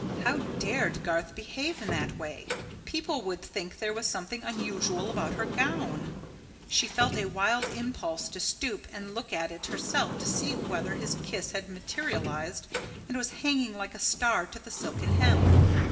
How dared Garth behave in that way? People would think there was something unusual about her gown. She felt a wild impulse to stoop and look at it herself to see whether his kiss had materialised and was hanging like a star to the silken hem.